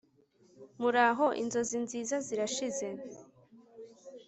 muraho! inzozi nziza zirashize